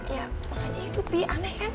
ya makanya itu sih aneh kan